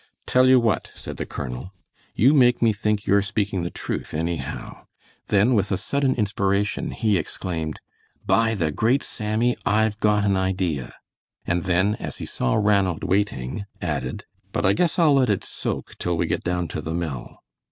"Tell you what," said the colonel, "you make me think you're speakin' the truth anyhow." Then, with a sudden inspiration, he exclaimed: "By the great Sammy, I've got an idea!" and then, as he saw Ranald waiting, added, "But I guess I'll let it soak till we get down to the mill."